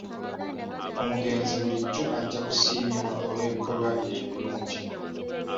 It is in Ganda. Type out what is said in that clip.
Omugenzi bulijjo ajja kusiimibwa olw'ebikolwa bye ebirungi.